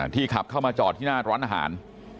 ขับเข้ามาจอดที่หน้าร้านอาหาร